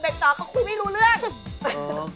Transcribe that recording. ตอบก็คุยไม่รู้เรื่อง